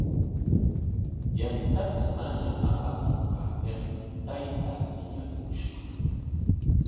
Yantata mana apamunqaapikmi taytaa piñakushqa.